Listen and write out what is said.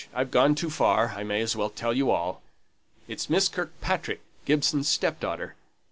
I've gone so far, I may as well tell you all. It's Miss Kirkpatrick, Gibson's stepdaughter.